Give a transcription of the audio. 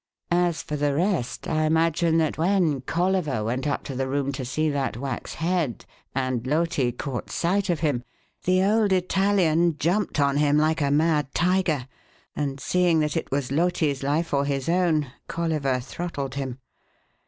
As for the rest, I imagine that when Colliver went up to the room to see that wax head, and Loti caught sight of him, the old Italian jumped on him like a mad tiger; and, seeing that it was Loti's life or his own, Colliver throttled him.